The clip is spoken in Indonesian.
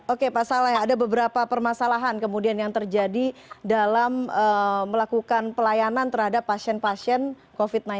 oke pak saleh ada beberapa permasalahan kemudian yang terjadi dalam melakukan pelayanan terhadap pasien pasien covid sembilan belas